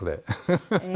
ハハハハ！